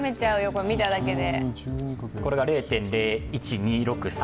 これ、見ただけで。